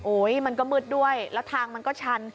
มันก็มืดด้วยแล้วทางมันก็ชัน